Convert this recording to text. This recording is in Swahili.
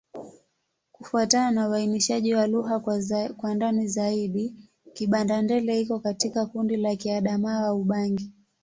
Kufuatana na uainishaji wa lugha kwa ndani zaidi, Kibanda-Ndele iko katika kundi la Kiadamawa-Ubangi.